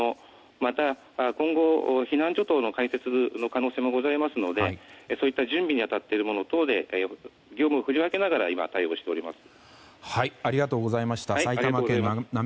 また、今後、避難所等の開設もございますのでそういった準備に当たっている者等で業務を振り分けながら今、対応しております。